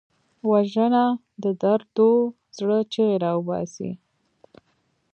وژنه د دردو زړه چیغې راوباسي